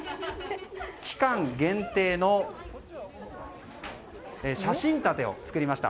期間限定の写真立てを作りました。